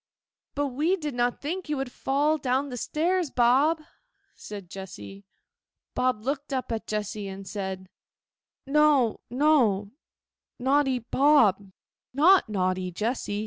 'But we did not think you would fall down stairs, Bob,' said Jessy. Bob looked up at Jessy, and said, 'No, no; naughty Bob, not naughty Jessy.